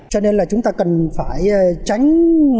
cho nên là chúng ta cần phải tránh